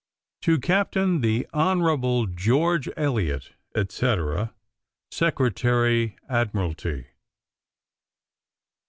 To Captain the Hon. George Elliot, &c. } Secretary Admiralty.